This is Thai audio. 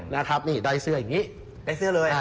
นะครับนี่ได้เสื้ออย่างนี้